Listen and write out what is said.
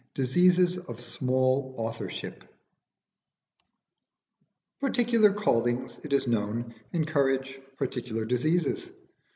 DISEASES OF SMALL AUTHORSHIP Particular callings, it is known, encourage particular diseases.